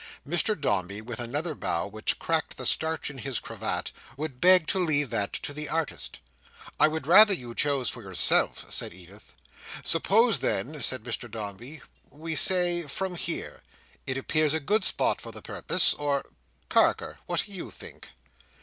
Mr Dombey, with another bow, which cracked the starch in his cravat, would beg to leave that to the Artist. "I would rather you chose for yourself," said Edith. "Suppose then," said Mr Dombey, "we say from here. It appears a good spot for the purpose, or—Carker, what do you think?"